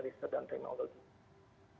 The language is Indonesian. risa dan teknologi